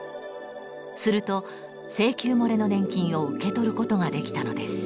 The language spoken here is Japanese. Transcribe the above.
すると「請求もれの年金」を受け取ることができたのです。